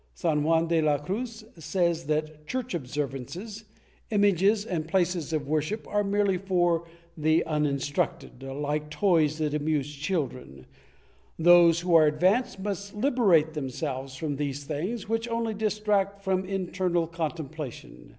^ San Juan de la Cruz says that church observances, images and places of worship are merely for the uninstructed, like toys that amuse children; those who are advanced must liberate themselves from these things which only distract from internal contemplation.